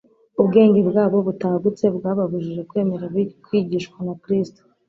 Ubwenge bwabo butagutse bwababujije kwemera kwigishwa na Kristo.